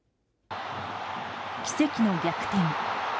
奇跡の逆転。